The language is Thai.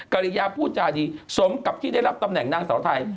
ริยาพูดจาดีสมกับที่ได้รับตำแหน่งนางสาวไทย